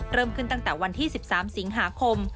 เริ่มขึ้นตั้งแต่วันที่๑๓สิงหาคม